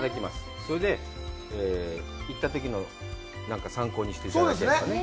それで、行ったときの参考にしていただければね。